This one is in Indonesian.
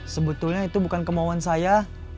sebetulnya itu bukan kemauan saya